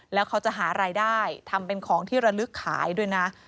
แล้วเขาจะหารายได้ทำเป็นของที่ระลึกขายด้วยนะ